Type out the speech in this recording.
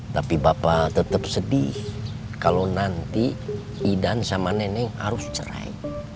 tapi bapak tetap sedih kalau nanti idan sama nenek harus cerai